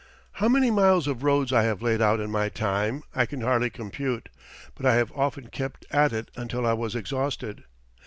How many miles of roads I have laid out in my time, I can hardly compute, but I have often kept at it until I was exhausted.